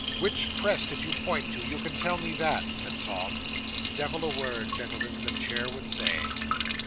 '"Which press did you point to? you can tell me that," said Tom. Devil a word, gentlemen, the chair would say.